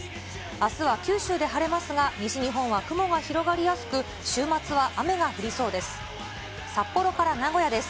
あすは九州で晴れますが、西日本は雲が広がりやすく、週末は雨が降りそうです。